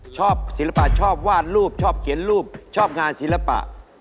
ศิลปะชอบวาดรูปชอบเขียนรูปชอบงานศิลปะ